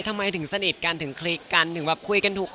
ทำไมถึงสนิทกันถึงคลิกกันถึงแบบคุยกันทุกวัน